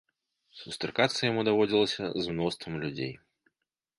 Сустракацца яму даводзілася з мноствам людзей.